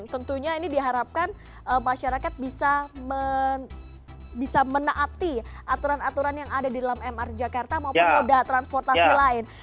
tentunya ini diharapkan masyarakat bisa menaati aturan aturan yang ada di dalam mr jakarta maupun moda transportasi lain